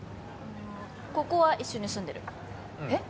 ここは一緒に住んでるうんえっ？